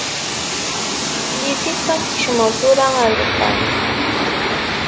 Yif-it ma tkecmeḍ tura ar wexxam.